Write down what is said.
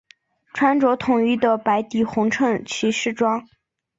穿着统一的白底红衬骑士装。